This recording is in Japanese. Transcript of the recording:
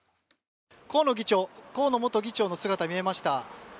河野元議長の姿が見えました。